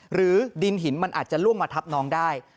หรือดินหินมันอาจจะล่วงมาทับน้องได้